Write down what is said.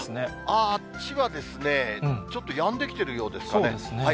あっちはですね、ちょっとやんできてるようですかね。